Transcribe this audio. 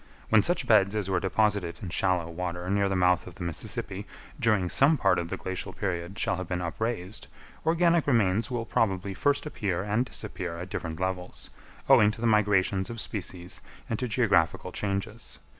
When such beds as were deposited in shallow water near the mouth of the Mississippi during some part of the glacial period shall have been upraised, organic remains will probably first appear and disappear at different levels, owing to the migrations of species and to geographical changes.